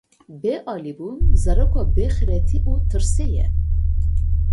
Bêalîbûn, zaroka bêxîretî û tirsê ye.